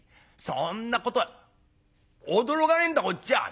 そんなことは驚かねえんだこっちは。